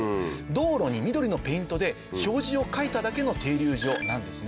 道路に緑のペイントで表示を書いただけの停留場なんですね。